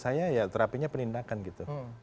saya ya terapinya penindakan gitu